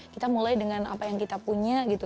kita mulai dengan apa yang kita punya gitu